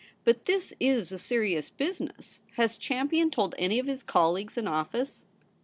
But this is a serious business. Has Champion told any of his colleagues in office